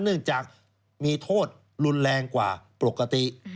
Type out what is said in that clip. เนื่องจากมีโทษรุนแรงกว่าปกติ